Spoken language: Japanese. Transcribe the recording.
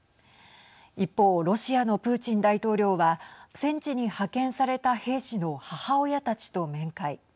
一方、ロシアのプーチン大統領は戦地に派遣された兵士の母親たちと面会。